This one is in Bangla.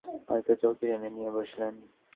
আজ তা না বলে আস্তে আস্তে পাশে চৌকি টেনে নিয়ে বসলেন।